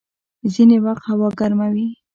ځيني وخت هوا ګرمه وي.